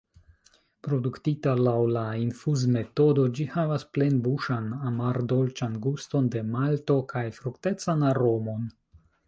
Produktita laŭ la infuzmetodo, ĝi havas plenbuŝan, amardolĉan guston de malto kaj fruktecan aromon.